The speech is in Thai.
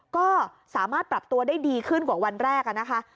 ก็สามารถปรับตัวได้ดีขึ้นกว่าวันแรกนะคะ